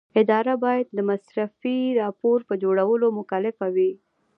اداره باید د مصرفي راپور په جوړولو مکلفه وي.